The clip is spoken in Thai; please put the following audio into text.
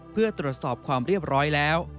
เพื่อตรวจสอบความเรียบร้อยแล้ว